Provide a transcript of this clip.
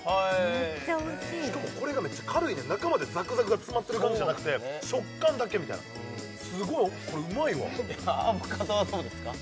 めっちゃおいしいしかもこれがめっちゃ軽いねん中までザクザクが詰まってる感じじゃなくて食感だけみたいなすごいこれうまいわアボカドはどうですか？